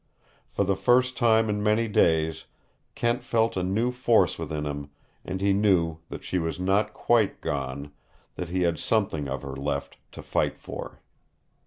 For the first time in many days Kent felt a new force within him, and he knew that she was not quite gone, that he had something of her left to fight for.